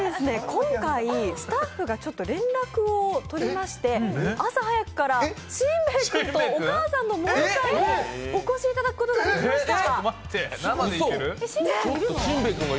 今回、スタッフが連絡を取りまして朝早くからしんべえくんとお母さんの萌さんにお越しいただくことができました。